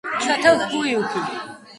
ჩათალ ჰუიუქი